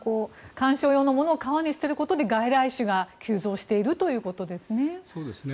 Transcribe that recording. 観賞用のものを川に捨てることで外来種で増えているということですね。